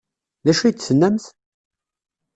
D acu ay d-tennamt?